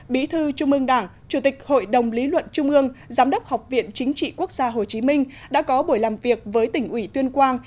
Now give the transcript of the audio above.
bí thư trung ương đảng chủ tịch hội đồng lý luận trung ương giám đốc học viện chính trị quốc gia hồ chí minh đã có buổi làm việc với tỉnh ủy tuyên quang